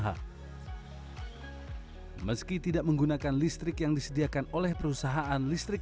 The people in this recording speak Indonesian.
hai meski tidak menggunakan listrik yang disediakan oleh perusahaan listrik